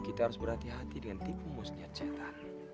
kita harus berhati hati dengan tipu musniat zaitan